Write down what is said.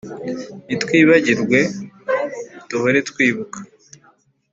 ntitwibagirwe duhore twibuka